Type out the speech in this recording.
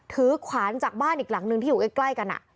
ขวานจากบ้านอีกหลังนึงที่อยู่ใกล้กัน